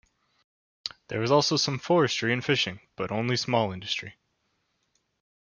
There is also some forestry and fishing but only small industry.